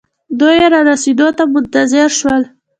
دوئ يې رسېدو ته منتظر شول.